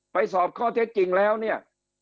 สอบข้อเท็จจริงแล้วเนี่ย